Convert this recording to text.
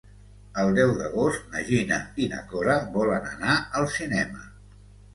El deu d'agost na Gina i na Cora volen anar al cinema.